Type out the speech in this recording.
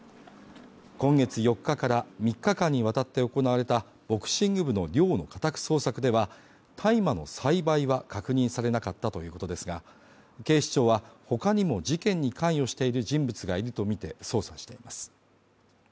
今月４日から３日間にわたって行われたボクシング部の寮の家宅捜索では大麻の栽培は確認されなかったということですが、警視庁は他にも事件に関与している人物がいるとみて捜査しています。